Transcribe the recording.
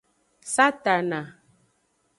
Satana.